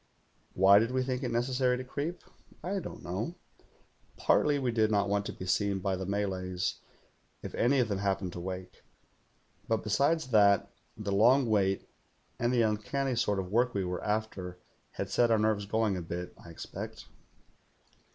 Why did we think it necessary to creep .^ I don't know. Partly we did not want to be seen by the Malays, if any of them happened to wake; but besides that, the long wait and the uncanny sort of work we were after had set our nerves going a bit, I expect.